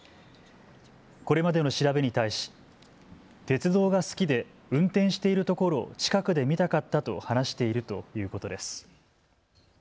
これまでの調べに対し鉄道が好きで運転しているところを近くで見たかったと話しているということです。